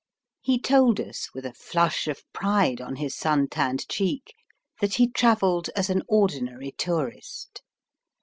He told us, with a flush of pride on his sun tanned cheek, that he travelled as an ordinary tourist.